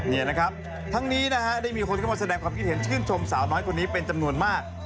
นี่นะครับทั้งนี้นะฮะได้มีคนเข้ามาแสดงความคิดเห็นชื่นชมสาวน้อยคนนี้เป็นจำนวนมาก